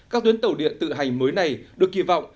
các tuyến tàu điện tự hành mới này được kỳ vọng